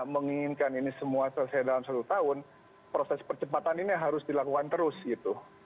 menginginkan ini semua selesai dalam satu tahun proses percepatan ini harus dilakukan terus gitu